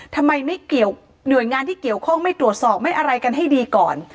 ทำไมไม่เกี่ยวหน่วยงานที่เกี่ยวข้องไม่ตรวจสอบไม่อะไรกันให้ดีก่อน